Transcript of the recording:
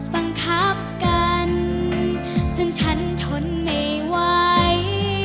บังคับกันจนฉันทนไม่ไหว